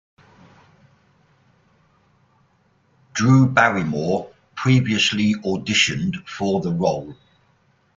Drew Barrymore previously auditioned for the role.